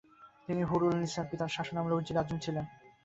তিনি হুর-উল-নিসার পিতার শাসনকালে উজিরে আজম ছিলেন।